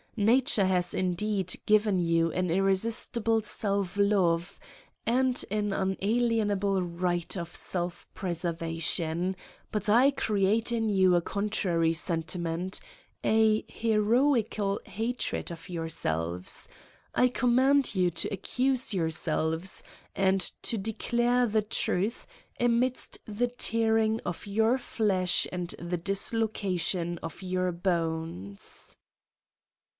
Nature has indeed given you an irresistible self love^ and an unalienable right of self preservation ; but I create in you a contrary sentiment, an heroical hatred of yourselves. I com* mand you to accuse yourselves ^ and to declare the truths amidst the tearing of your fiesh and the dis^ location of your bones.